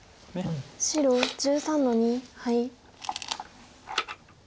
白１３の二ハイ。